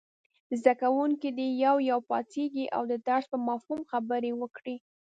زده کوونکي دې یو یو پاڅېږي او د درس په مفهوم خبرې وکړي.